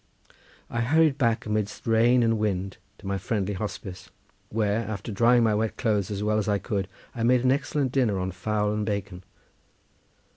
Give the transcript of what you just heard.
I hurried back amidst rain and wind to my friendly hospice, where, after drying my wet clothes as well as I could, I made an excellent dinner on fowl and bacon.